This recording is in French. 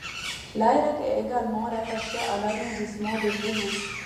Layrac est également rattaché à l'arrondissement de Toulouse.